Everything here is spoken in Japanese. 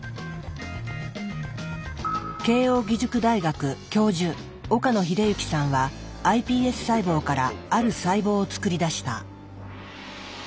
慶應義塾大学教授岡野栄之さんはｉＰＳ細胞からある細胞を作り出した。